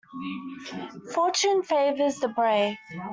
Fortune favours the brave.